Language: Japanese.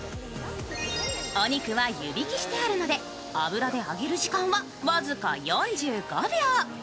お肉は湯引きしてあるので油で揚げる時間は僅か４５秒。